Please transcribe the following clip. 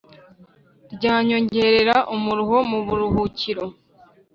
Ryanyongerera umuruho mu buruhukiro.